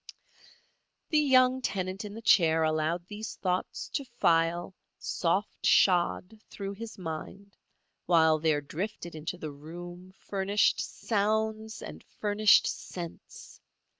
The young tenant in the chair allowed these thoughts to file, soft shod, through his mind, while there drifted into the room furnished sounds and furnished scents.